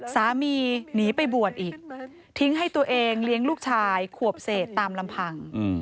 สามีหนีไปบวชอีกทิ้งให้ตัวเองเลี้ยงลูกชายขวบเศษตามลำพัง